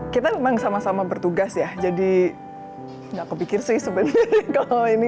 kita memang sama sama bertugas ya jadi nggak kepikir sih sebenarnya kalau ini